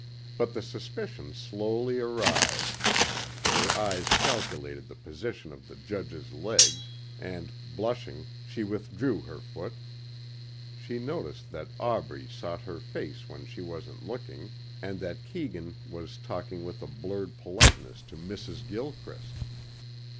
But the suspicion slowly arrived. Her eyes calculated the position of the judge's legs and, blushing, she withdrew her foot. She noticed that Aubrey sought her face when she wasn't looking and that Keegan was talking with a blurred politeness to Mrs. Gilchrist.